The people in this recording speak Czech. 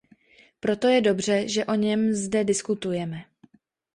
Proto je dobře, že o něm zde diskutujeme.